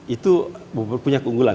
itu punya keunggulan